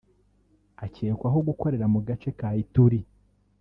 akekwaho gukorera mu gace ka Ituri